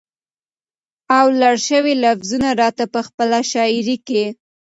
او لړ شوي لفظونه راته په خپله شاعرۍ کې